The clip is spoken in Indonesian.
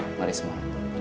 oke mari semua